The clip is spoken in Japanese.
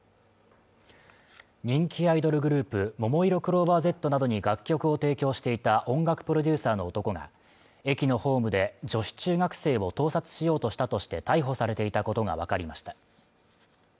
人気アイドルグループももいろクローバーＺなどに楽曲を提供していた音楽プロデューサーの男が駅のホームで女子中学生を盗撮しようとしたとして逮捕されていたことが分かりました